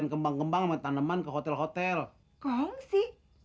kembang kembang tanaman ke hotel hotel kongsi